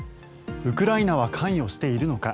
ウクライナは関与しているのか。